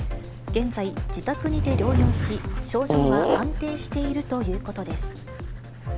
現在、自宅にて療養し、症状は安定しているということです。